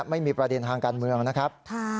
ไม่มีประเด็นทางการเมืองนะครับ